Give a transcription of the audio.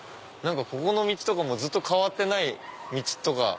ここの道とかもずっと変わってない道とか。